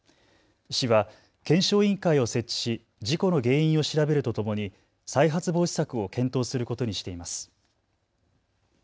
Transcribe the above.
市は検証委員会を設置し事故の原因を調べるとともに再発防止策を検討することにしています。